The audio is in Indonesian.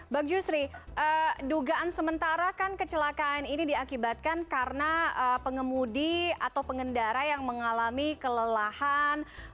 bang jusri dugaan sementara kan kecelakaan ini diakibatkan karena pengemudi atau pengendara yang mengalami kelelahan